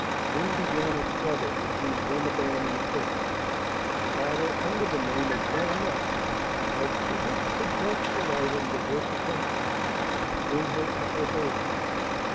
Then began a struggle between Grumedan and the Prince, the latter under the name of Melinette, as to which could best delight and divert the Princess and win her approbation.